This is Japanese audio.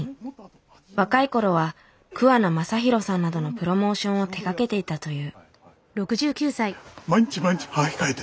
若い頃は桑名正博さんなどのプロモーションを手がけていたという。